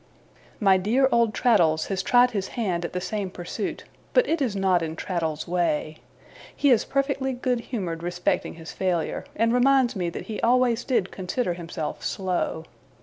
My dear old Traddles has tried his hand at the same pursuit, but it is not in Traddles's way. He is perfectly good humoured respecting his failure, and reminds me that he always did consider himself slow.